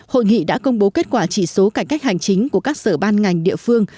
hội nghị đã công bố kết quả chỉ số cải cách hành chính của các sở ban ngành địa phương